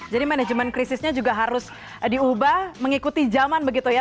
jadi manajemen krisisnya juga harus diubah mengikuti zaman begitu ya